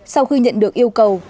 sau khi nhận được yêu cầu